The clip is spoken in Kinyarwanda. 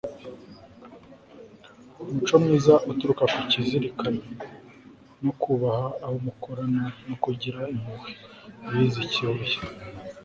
umuco mwiza uturuka ku kuzirikana, no kubaha abo mukorana, no kugira impuhwe. - biz kibuye